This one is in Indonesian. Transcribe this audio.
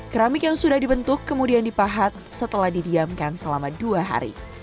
keramik yang sudah dibentuk kemudian dipahat setelah didiamkan selama dua hari